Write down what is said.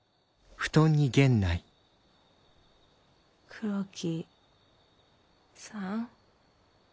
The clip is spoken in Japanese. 黒木さん？